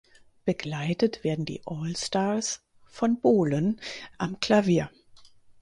Begleitet werden die Allstars von Bohlen am Klavier.